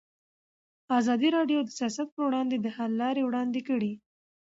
ازادي راډیو د سیاست پر وړاندې د حل لارې وړاندې کړي.